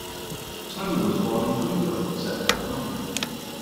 Turner was born in Greenville, South Carolina.